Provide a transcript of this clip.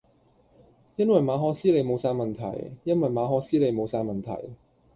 因為馬可思你無曬問題，因為馬可思你無曬問題